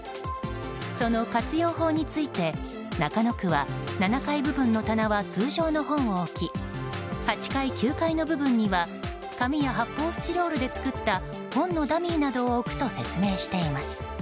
その活用法について中野区は７階部分の棚は通常の本を置き８階、９階の部分には紙や発泡スチロールで作った本のダミーなどを置くと説明しています。